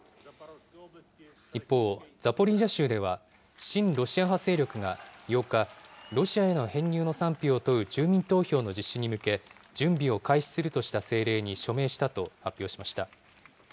一方、ザポリージャ州では親ロシア派勢力が８日、ロシアへの編入の賛否を問う住民投票の実施に向け、準備を開始するとした政令に署名したと発表しました。